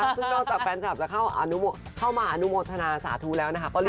ซึ่งนอกจากแฟนคลับจะเข้ามาอนุโมทนาสาธุแล้วนะคะ